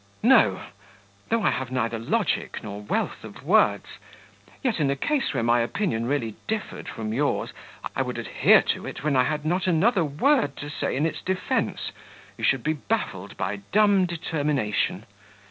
"No; though I have neither logic nor wealth of words, yet in a case where my opinion really differed from yours, I would adhere to it when I had not another word to say in its defence; you should be baffled by dumb determination.